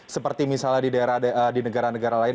seperti misalnya di negara negara lain